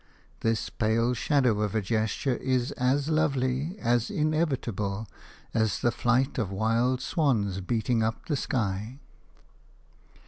This pale shadow of a gesture is as lovely, as inevitable, as the flight of wild swans beating up the sky.